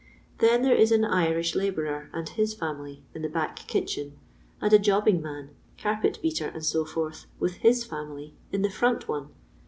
Then there is an Irish la bourer and Aw family Jn the back kitchen, and a jobbing man — ca^pe^beater and so forth — wiih hi* family, in the front one.